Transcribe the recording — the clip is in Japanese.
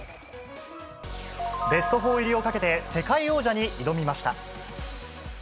ベスト４入りをかけて、世界王者に挑みました。